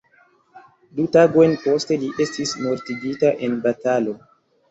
Du tagojn poste li estis mortigita en batalo.